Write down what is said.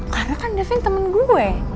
karena kan davin temen gue